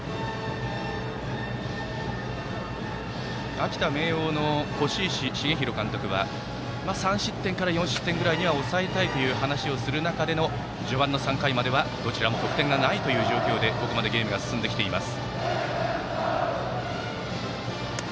秋田・明桜の輿石重弘監督は３失点から４失点ぐらいには抑えたいという話をする中で序盤の３回まではどちらも得点がないという状態でここまでゲームが進んできてます。